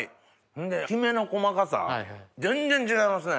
できめの細かさ全然違いますね